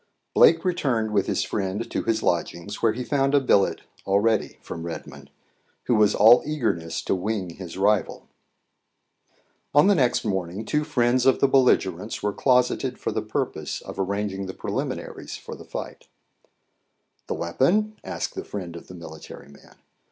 Blake returned with his friend to his lodgings, where he found a billet already from Redmond, who was all eagerness to wing his rival. On the next morning, two friends of the bellige rents were closeted for the purpose of arranging the preliminaries for the fight. "The weapon?" asked the friend of the military man.